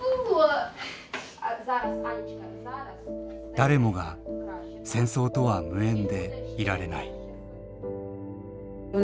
誰もが戦争とは無縁でいられない。